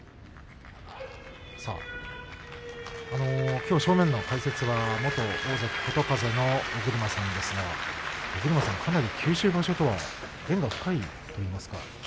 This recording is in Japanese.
きょう正面の解説は元大関琴風の尾車さんですが尾車さん、かなり九州場所とは縁が深いといいますか。